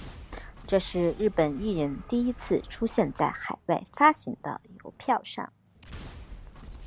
这是日本艺人第一次出现在海外发行的邮票上。